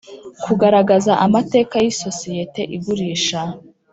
Kugaragaza amateka y isosiyete igurisha